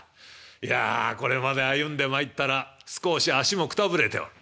いやこれまで歩んでまいったら少し足もくたぶれておる。